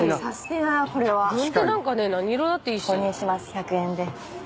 １００円で。